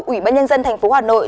ủy ban nhân dân thành phố hà nội